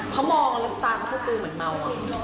เขามองแล้วตาก็เหมือนเมาอ่ะ